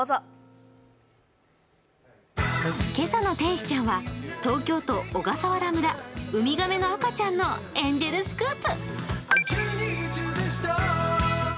今朝の天使ちゃんは東京都小笠原村、海亀の赤ちゃんのエンジェルスクープ。